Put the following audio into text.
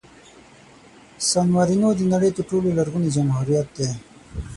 سان مارینو د نړۍ تر ټولو لرغوني جمهوریت دی.